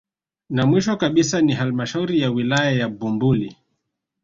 Na mwisho kabisa ni halmashauri ya wilaya ya Bumbuli